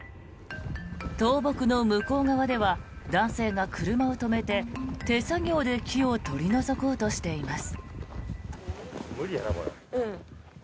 倒木の向こう側では男性が車を止めて手作業で木を取り除こうとしています。